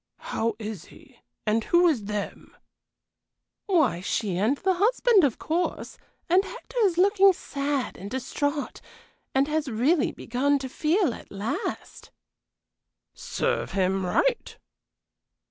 "How is he? and who is 'them'?" "Why, she and the husband, of course, and Hector is looking sad and distrait and has really begun to feel at last." "Serve him right!"